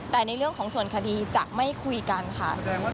แต่ในเรื่องของส่วนคดีจะไม่คุยกันค่ะ